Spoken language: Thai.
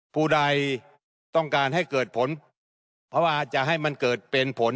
ผู้ใดต้องการให้เกิดผลเพราะว่าจะให้มันเกิดเป็นผล